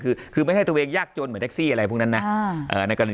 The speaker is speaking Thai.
คือคือไม่ให้ตัวเองยากจนเหมือนอะไรพวกนั้นน่ะอ่า